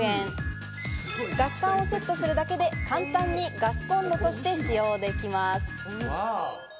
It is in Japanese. ガス缶をセットするだけで、簡単にガスコンロとして使用できます。